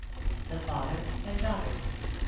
THE FATHER AND DAUGHTER.